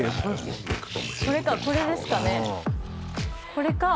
これかぁ。